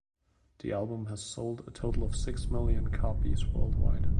The album has sold a total of six million copies worldwide.